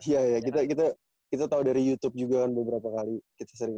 iya kita tahu dari youtube juga kan beberapa kali kita sering lihat